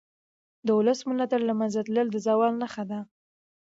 د ولس ملاتړ له منځه تلل د زوال نښه ده